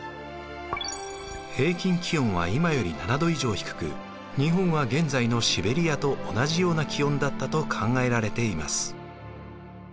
平均気温は今より７度以上低く日本は現在のシベリアと同じような気温だったと考えられています。